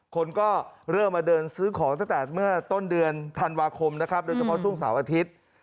คนก็เริ่มมาเดินซื้อของตั้งแต่เมื่อต้นเดือนธันวาคมนะครับโดยเฉพาะช่วงเสาร์อาทิตย์